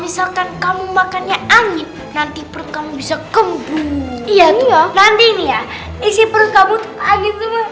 misalkan kamu makannya angin nanti perut kamu bisa kembung iya nanti iya isi perut kamu anjing pir saying